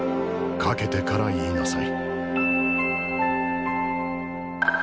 懸けてから言いなさい。